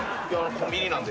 コンビニなんで。